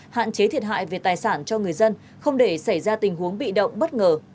hạn chế thiệt hại về tài sản cho người dân không để xảy ra tình huống bị động bất ngờ